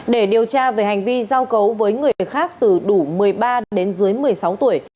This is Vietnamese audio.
để điều tra về hành vi giao cấu với người khác từ đủ một mươi ba đến dưới một mươi sáu tuổi